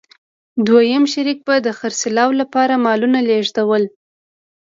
دویم شریک به د خرڅلاو لپاره مالونه لېږدول.